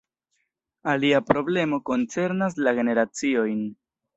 Alia problemo koncernas la generaciojn.